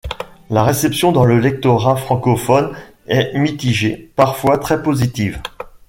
La réception dans le lectorat francophone est mitigée, parfois très positive.